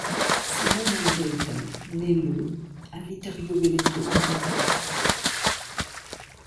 Simone Adreetta naît le à Vittorio Veneto en Italie.